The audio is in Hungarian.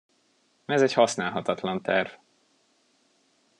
Ez egy használhatatlan terv.